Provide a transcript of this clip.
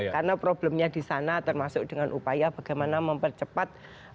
karena problemnya di sana termasuk dengan upaya bagaimana mempercepat sekolah